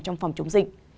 trong phòng chống dịch